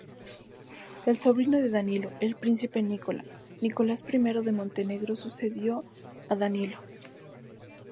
El sobrino de Danilo, el príncipe Nikola, Nicolás I de Montenegro, sucedió a Danilo.